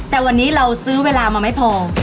แต่วันนี้เราซื้อเวลามาไม่พอ